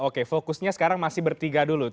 oke fokusnya sekarang masih bertiga dulu